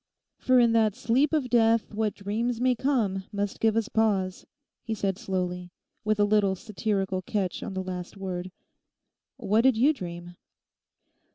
'"For in that sleep of death what dreams may come must give us pause,"' he said slowly, with a little satirical catch on the last word. 'What did you dream?